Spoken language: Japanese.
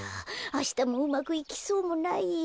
あしたもうまくいきそうもないや。